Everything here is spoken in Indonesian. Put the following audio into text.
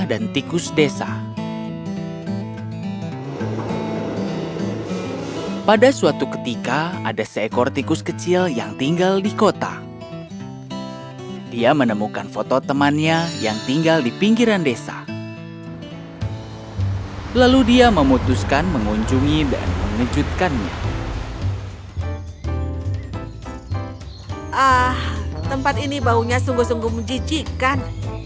ah tempat ini baunya sungguh sungguh menjijikan